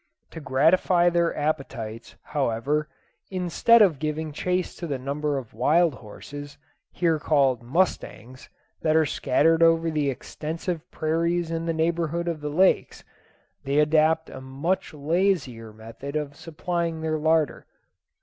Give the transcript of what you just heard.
To gratify their appetites, however, instead of giving chase to the number of wild horses here called mustangs that are scattered over the extensive prairies in the neighbourhood of the lakes, they adopt a much lazier method of supplying their larder.